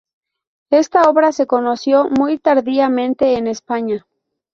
Esta obra se conoció muy tardíamente en España.